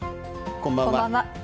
こんばんは。